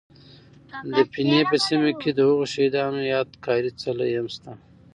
، د پنه په سیمه کې دهغو شهید انو یاد گاري څلی هم شته